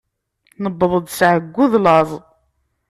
Newweḍ-d s εeyyu d laẓ.